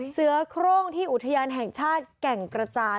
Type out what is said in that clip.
เสือโครงที่อุทยานแห่งชาติแก่งกระจาน